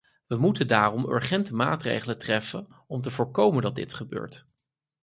We moeten daarom urgente maatregelen treffen om te voorkomen dat dit gebeurt.